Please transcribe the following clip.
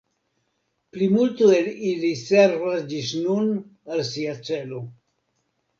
Plimulto el ili servas ĝis nun al sia celo.